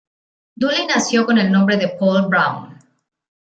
Dooley nació con el nombre de Paul Brown.